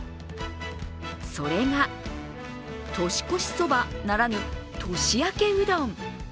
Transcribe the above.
それが年越しそばならぬ年明けうどん。